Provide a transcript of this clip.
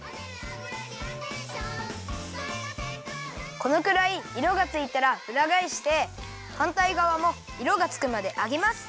このくらいいろがついたらうらがえしてはんたいがわもいろがつくまで揚げます。